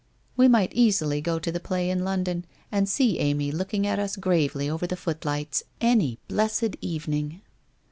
We might easily go to the play in London and see Amy looking at us gravely over the footlights any blessed evening